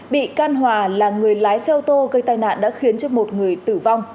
bị can hòa là người lái xe ô tô gây tai nạn đã khiến cho một người tử vong